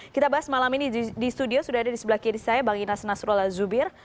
kita bahas malam ini di studio sudah ada di sebelah kiri saya bang inas nasrullah zubir